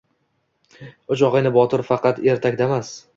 Uch og‘ayni botir faqat ertakdamas